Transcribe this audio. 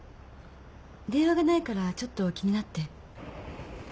電話がないからちょっと気になって。